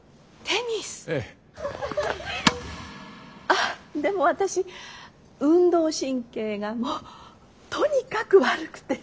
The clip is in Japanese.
あっでも私運動神経がもうとにかく悪くて。